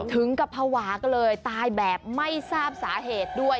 ถึงกับภาวะก็เลยตายแบบไม่ทราบสาเหตุด้วย